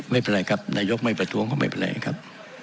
ไม่เป็นไรครับนายกไม่ประท้วงก็ไม่เป็นไรครับ